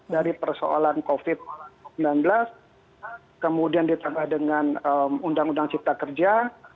dari persoalan covid sembilan belas kemudian ditambah dengan undang undang cipta kerja